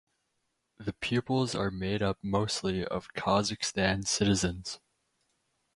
The pupils are made up mostly of Kazakhstan citizens.